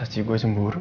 masa sih gue cemburu